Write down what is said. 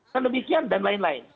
dan demikian dan lain lain